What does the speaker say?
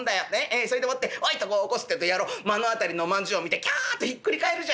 それでもって『おい』とこう起こすってえと野郎目の当たりの饅頭を見てキャッとひっくり返るじゃねえか。